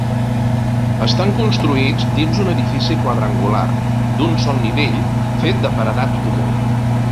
Estan construïts dins un edifici quadrangular d'un sol nivell fet de paredat comú.